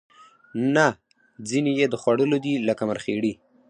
نه ځینې یې د خوړلو دي لکه مرخیړي